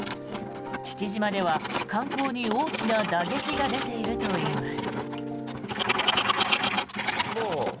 父島では観光に大きな打撃が出ているといいます。